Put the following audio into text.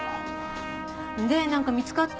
でなんか見つかった？